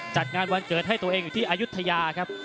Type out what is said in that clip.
จัดงานวันเกิดให้ตัวเองอยู่ที่อายุทยาครับ